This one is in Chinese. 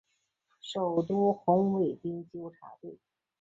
首都红卫兵纠察队。